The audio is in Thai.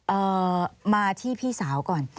เอ่อมาที่พี่สาวก่อน